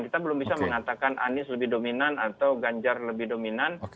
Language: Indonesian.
kita belum bisa mengatakan anies lebih dominan atau ganjar lebih dominan